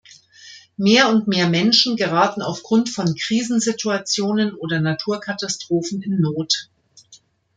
Mehr und mehr Menschen geraten aufgrund von Krisensituationen oder Naturkatastrophen in Not.